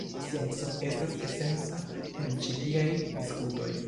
Pacienco estas esenca en ĉi tiaj diskutoj.